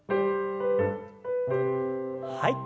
はい。